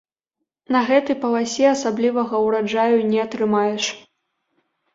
На гэтай паласе асаблівага ўраджаю не атрымаеш.